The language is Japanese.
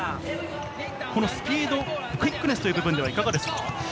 このスピード、クイックネスという部分はいかがですか？